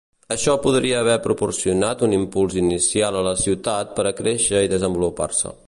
Això podria haver proporcionat un impuls inicial a la ciutat per a créixer i desenvolupar-se.